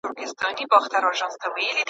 لیکوال خپله تشریح پر متن ور اضافه کړې ده.